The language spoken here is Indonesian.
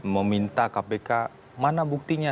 meminta kpk mana buktinya